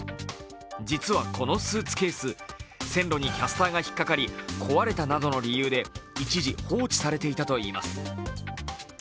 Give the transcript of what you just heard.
実はこのスーツケース、線路にキャスターが引っ掛かり壊れたなどの理由で一時放置されていたといいます。